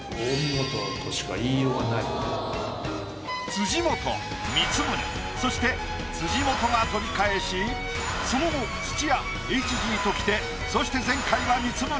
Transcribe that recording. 辻元光宗そして辻元がとり返しその後土屋ＨＧときてそして前回は光宗。